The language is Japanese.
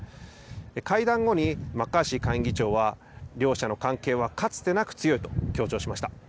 会談後にマッカーシー下院議長は、両者の関係はかつてなく強いと強調しました。